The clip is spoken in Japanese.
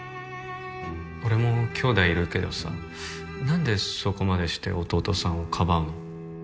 俺も姉弟いるけどさ何でそこまでして弟さんをかばうの？